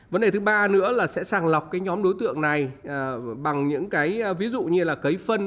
vấn đề thứ ba nữa là sẽ sàng lọc cái nhóm đối tượng này bằng những cái ví dụ như là cấy phân